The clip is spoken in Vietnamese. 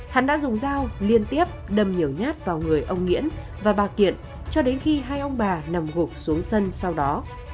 hắn đã dùng dao liên tiếp đâm nhiều nhát vào người ông nguyễn và bà kiện cho đến khi hai ông bà nằm gục xuống sân sau đó